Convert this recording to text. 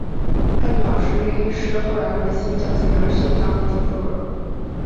他的老师之一是后来为新教信仰而殉道的迪布尔。